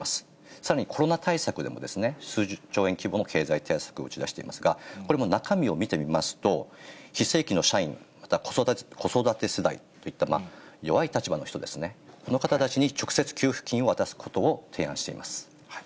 さらにコロナ対策でも、数十兆円規模の経済対策を打ち出していますが、これも中身を見てみますと、非正規の社員、子育て世代といった、弱い立場の人ですね、この方たちに直接給付金を渡すことを提案しています。